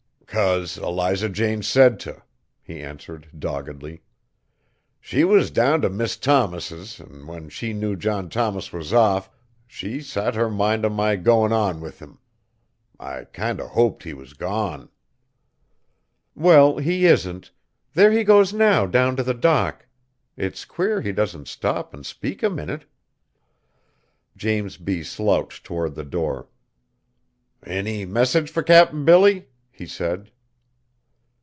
"'Cause Eliza Jane said t'!" he answered doggedly. "She was down t' Miss Thomas's an' when she knew John Thomas was off, she sot her mind on my goin' on with him. I kind o' hoped he was gone." "Well, he isn't. There he goes now down to the dock. It's queer he doesn't stop and speak a minute." James B. slouched toward the door. "Any message fur Cap'n Billy?" he said.